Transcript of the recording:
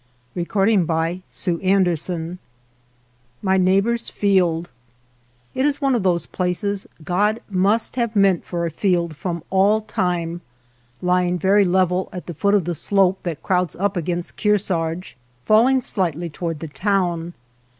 MY NEIGHBOR'S FIELD MY NEIGHBOR'S FIELD IT is one of those places God must have meant for a field from all time, lying very level at the foot of the slope that crowds up against Kearsarge, falling slight ly toward the town.